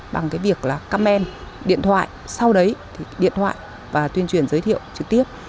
bằng cái việc là comment điện thoại sau đấy thì điện thoại và tuyên truyền giới thiệu trực tiếp